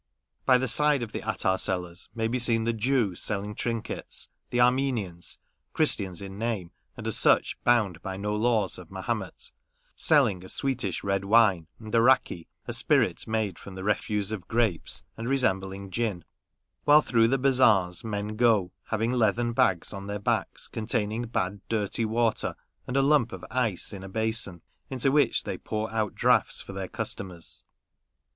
By the side of the attar sellers may be seen the Jew, selling trinkets ; the Armenians (Christians in name, and, as such, bound by no laws of Mahomet), selling a sweetish red wine, and arrakee, a spirit made from the refuse of grapes, and resembling gin ; while through the bazaars men go, having leathern bags on their backs containing bad, dirty water, and a lump of ice in a basin, into which they pour out draughts for their cus tomers.